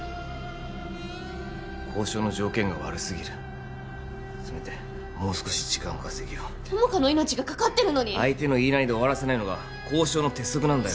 交渉の条件が悪すぎるせめてもう少し時間稼ぎを友果の命がかかってるのに相手の言いなりで終わらせないのが交渉の鉄則なんだよ